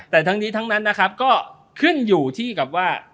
แต่ทั้งนี้ขึ้นอยู่ว่า